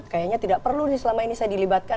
kayaknya tidak perlu nih selama ini saya dilibatkan